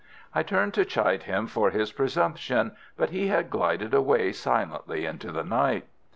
I turned to chide him for his presumption, but he had glided away silently into the night.